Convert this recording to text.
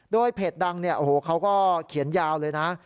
ด้วยเพจดังเขาก็เขียนยาวเลยนะ